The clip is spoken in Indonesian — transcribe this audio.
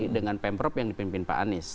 dengan pemprov yang dipimpin pak anies